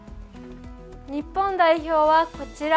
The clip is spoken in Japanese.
日本代表はこちら。